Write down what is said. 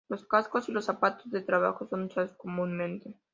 Los cascos y los zapatos de trabajo son usados comúnmente.